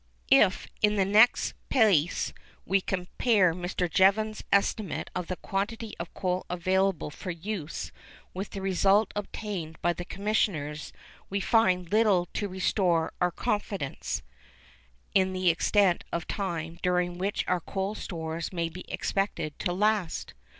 If, in the next place, we compare Mr. Jevons's estimate of the quantity of coal available for use with the result obtained by the Commissioners, we find little to restore our confidence in the extent of time during which our coal stores may be expected to last.